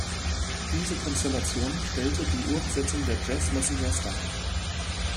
Diese Konstellation stellte die Urbesetzung der Jazz Messengers dar.